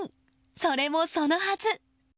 それもそのはず。